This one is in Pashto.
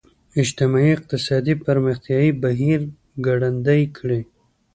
اجتماعي اقتصادي پرمختیايي بهیر ګړندی کړي.